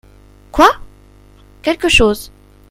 Quoi ? Quelque chose.